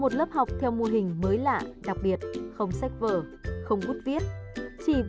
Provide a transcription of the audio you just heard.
hãy đăng ký kênh để ủng hộ kênh của chúng mình nhé